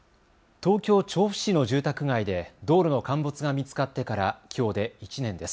東京調布市の住宅街で道路の陥没が見つかってからきょうで１年です。